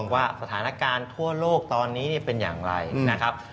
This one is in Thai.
ว่าสถานการณ์ทั่วโลกตอนนี้เป็นอย่างไรนะครับ